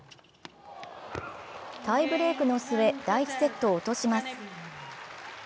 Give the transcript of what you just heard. タイブレークの末、第１セットを落とします。